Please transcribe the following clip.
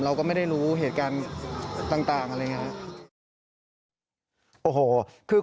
เราก็ไม่ได้รู้เหตุการณ์ต่างอะไรอย่างนี้ครับ